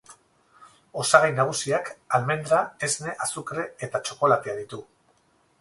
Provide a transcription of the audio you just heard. Osagai nagusiak almendra, esne, azukre eta txokolatea ditu.